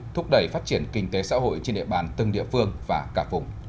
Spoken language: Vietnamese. thúc đẩy phát triển kinh tế xã hội trên địa bàn từng địa phương và cả vùng